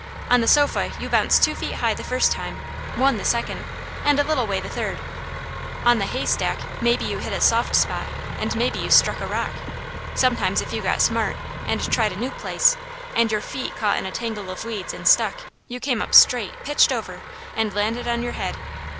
On the sofa you bounced two feet high the first time; one, the second; and a little way the third. On the haystack, maybe you hit a soft spot, and maybe you struck a rock. Sometimes if you got smart, and tried a new place, and your feet caught in a tangle of weeds and stuck, you came up straight, pitched over, and landed on your head.